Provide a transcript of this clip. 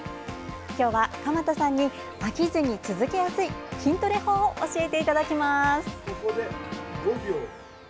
今日は、鎌田さんに飽きずに続けやすい筋トレ法を教えていただきます。